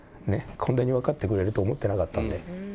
こんなに分かってくれると思ってなかったんで。